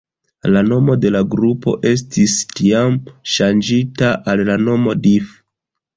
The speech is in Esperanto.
La nomo de la grupo estis, tiam, ŝanĝita al la nomo Death.